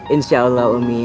insya allah umi